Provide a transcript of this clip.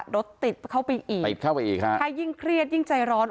รถติดเข้าไปอีกถ้ายิ่งเครียดยิ่งใจร้อน